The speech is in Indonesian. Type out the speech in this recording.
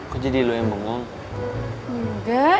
kok jadi lu yang bengong